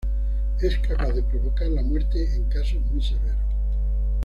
Es capaz de provocar la muerte en casos muy severos.